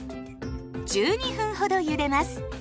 １２分ほどゆでます。